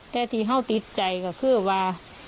แต่ที่เขาติดใจก็คือว่า